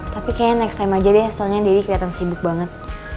tapi kayaknya next time aja deh soalnya deddy kelihatan sibuk banget